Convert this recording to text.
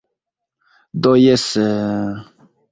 Do jes...